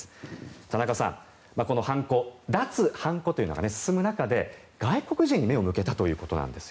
田中さん、判子脱判子というのが進む中で外国人に目を向けたということなんです。